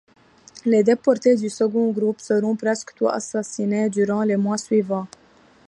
Les déportés du second groupe seront presque tous assassinés durant les mois suivants.